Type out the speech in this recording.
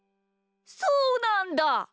そうなんだ！